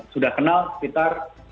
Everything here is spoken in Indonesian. sudah kenal sekitar